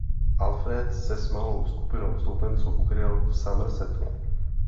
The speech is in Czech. Alfréd se s malou skupinou stoupenců ukryl v Somersetu.